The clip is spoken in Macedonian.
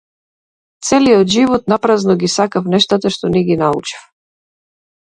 Целиот живот напразно ги сакав нештата што не ги научив.